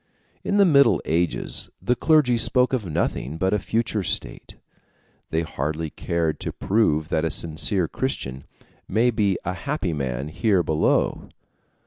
In the Middle Ages the clergy spoke of nothing but a future state; they hardly cared to prove that a sincere Christian may be a happy man here below.